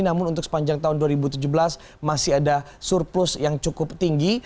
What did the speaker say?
namun untuk sepanjang tahun dua ribu tujuh belas masih ada surplus yang cukup tinggi